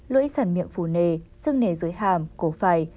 lưỡi sản miệng phù nề xưng nề dưới hàm cổ phải